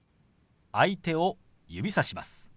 相手を指さします。